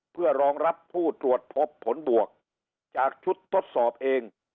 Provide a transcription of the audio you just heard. เพื่อรองรับผู้ตรวจพบผลบวกจากชุดทดสอบเอง